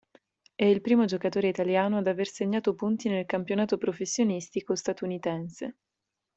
È il primo giocatore italiano ad aver segnato punti nel campionato professionistico statunitense.